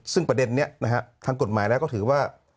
ซึ่งประเด็นนี้นะฮะทางกฎหมายแล้วก็ถือว่า